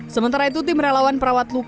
sementara itu tim relawan perawat luka